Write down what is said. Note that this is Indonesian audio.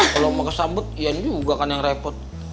kalau mau kesambet iya juga kan yang repot